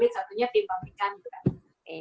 satunya tim satelit satunya tim pampingan gitu kan